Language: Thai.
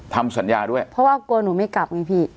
ทำสัญญาด้วยเพราะว่ากลัวหนูไม่กลับไงพี่